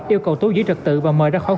yêu cầu tú giữ trực tự và mời ra khỏi